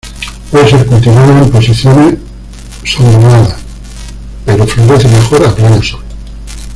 Puede ser cultivada en posiciones sombreadas, pero florece mejor a pleno sol.